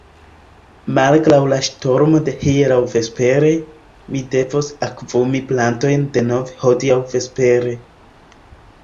Malgraŭ la ŝtormo de hieraŭ vespere, mi devos akvumi plantojn denove hodiaŭ vespere.